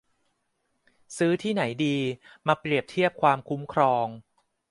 ซื้อที่ไหนดี มาเปรียบเทียบความคุ้มครอง